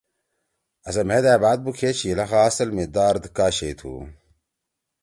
آسے مھید أ بات بُوکھے چھی لخا اصل می ”درد“ کا شیئی تُھو؟